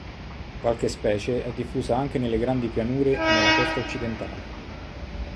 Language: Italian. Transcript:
Qualche specie è diffusa anche nelle grandi pianure e nella costa occidentale.